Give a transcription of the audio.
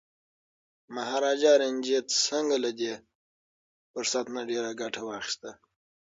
مهاراجا رنجیت سنګ له دې فرصت نه ډیره ګټه واخیسته.